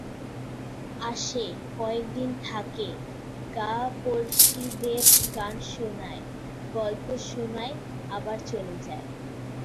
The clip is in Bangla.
আসে, কয়েক দিন থাকে, গাঁ-পড়িশদের গান শোনায়, গল্প শোনায়, আবার চলে যায়।